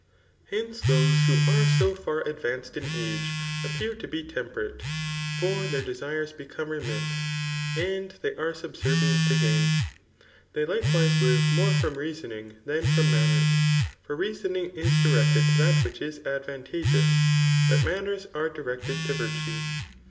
Hence, those who are so far advanced in age appear to be temperate ; for their desires become remiss, and they are subservient to gain. ' They likewise live more from reasoning than from maimers ; for reasoning is directed to that which is advantageous; but manners are directed to virtue.